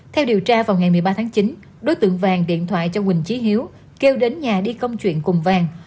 theo điều tra vào ngày một mươi ba tháng chín đối tượng vàng điện thoại cho quỳnh trí hữu kêu đến nhà đi công chuyện cùng vàng